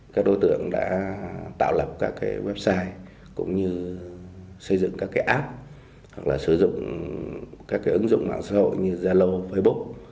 các đối tượng đã tạo lập các website xây dựng các app sử dụng các ứng dụng mạng xã hội như zalo facebook